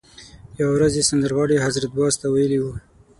یوه ورځ یې سندرغاړي حضرت باز ته ویلي وو.